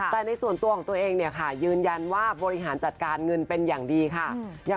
แต่ในส่วนตัวของตัวเองเนี่ยค่ะยืนยันว่าบริหารจัดการเงินเป็นอย่างดีค่ะ